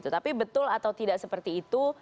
tapi betul atau tidak seperti itu